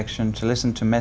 chúng tôi sẽ tiếp tục đến